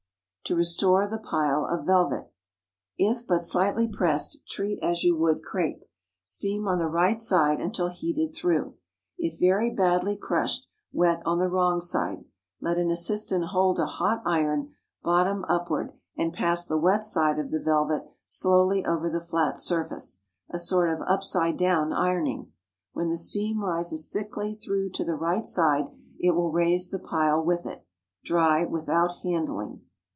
TO RESTORE THE PILE OF VELVET. If but slightly pressed, treat as you would crape. Steam on the right side until heated through. If very badly crushed, wet on the wrong side; let an assistant hold a hot iron, bottom upward, and pass the wet side of the velvet slowly over the flat surface—a sort of upside down ironing. When the steam rises thickly through to the right side, it will raise the pile with it. Dry without handling.